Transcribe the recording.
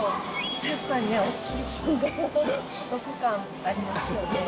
酸っぱいね、大きいほうがお得感ありますよね。